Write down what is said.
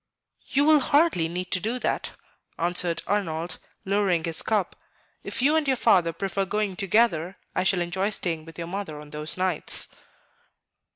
"You will hardly need to do that," answered Arnold, lowering his cup; "if you and your father prefer going together, I shall enjoy staying with your mother on those nights."